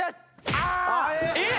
あっ！？